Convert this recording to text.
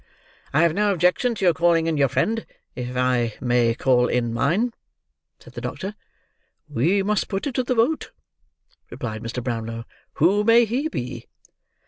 "I have no objection to your calling in your friend if I may call in mine," said the doctor. "We must put it to the vote," replied Mr. Brownlow, "who may he be?"